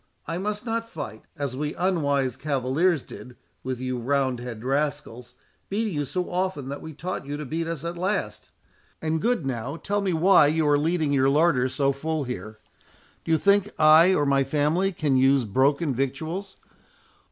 I must not fight, as we unwise cavaliers did with you roundhead rascals, beating you so often that we taught you to beat us at last. And good now, tell me why you are leaving your larder so full here? Do you think I or my family can use broken victuals?